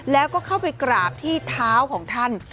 แล้วก็เข้าไปกราบที่เท้าของท่าน